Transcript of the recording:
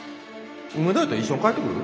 梅田やったら一緒に帰ってくる？